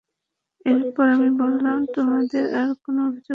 এরপর আমি বললাম, তোমাদের আর কোন অভিযোগ আছে কি?